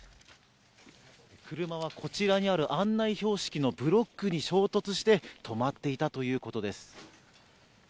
車はこちらにある案内標識のブロックに衝突して止まっていたということです。